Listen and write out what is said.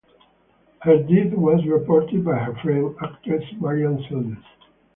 Her death was reported by her friend, actress Marian Seldes.